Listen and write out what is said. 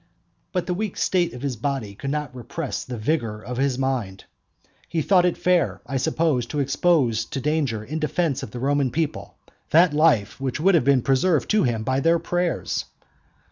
But the weak state of his body could not repress the vigour of his mind. He thought it fair, I suppose, to expose to danger in defence of the Roman people that life which had been preserved to him by their prayers.